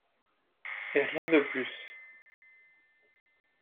Et rien de plus.